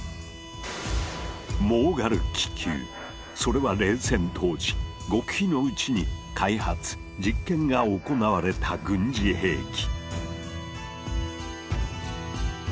それは冷戦当時極秘のうちに開発実験が行われた軍事兵器。